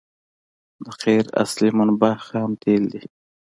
د قیر اصلي منبع خام تیل دي